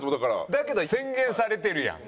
だけど宣言されてるやん。